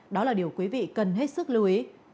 đó là điều quý vị cần hết sức lưu ý